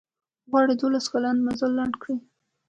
غواړي دولس کلن مزل لنډ کړي.